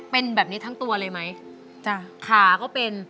เป็นแบบนี้ทั้งตัวเลยไหมจ้ะขาก็เป็น